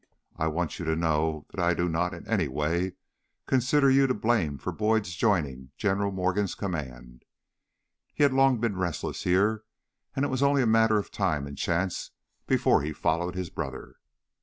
I want you to know that I do not, in any way, consider you to blame for Boyd's joining General organ's command. He had long been restless here, and it was only a matter of time and chance before he followed his brother.